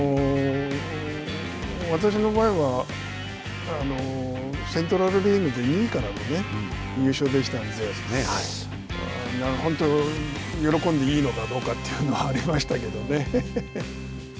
私の場合は、セントラルリーグで２位からの優勝でしたので本当喜んでいいのかどうかというのはありましたけどね、へへへ。